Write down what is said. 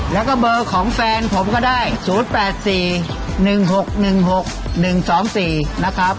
แล้วก็เบอร์ของแฟนผมก็ได้๐๘๔๑๖๑๖๑๒๔นะครับ